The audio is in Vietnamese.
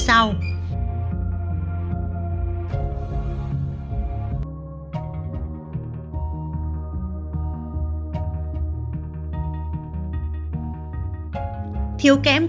thiếu kém các loại vitamin a